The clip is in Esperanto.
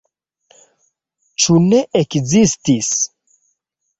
Ĉu ne ekzistis?